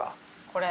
これ。